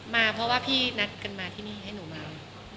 มาเพราะว่าพี่นัดกันมาที่นี่ให้หนูมา